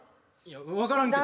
分からんけど。